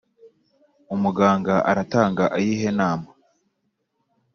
umuganga aratanga iyihe nama?